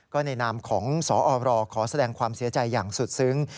ก็ในนามของสอรขอแสดงความเสียใจอย่างสุดซึ้ง